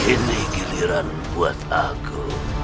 ini giliran buat aku